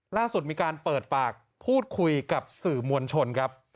ล่าสุดมีการเปิดปากพูดคุยกับสื่อมวลชนครับ